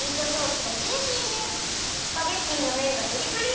スパゲッティのめんがプリプリ！